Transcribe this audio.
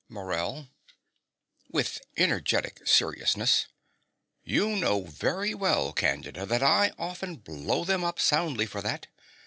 MORELL (with energetic seriousness). You know very well, Candida, that I often blow them up soundly for that.